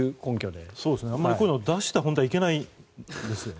あまりこういうのを出しては本当はいけないですよね。